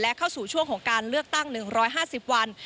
และเข้าสู่ช่วงของการเลือกตั้ง๑๕๐วัน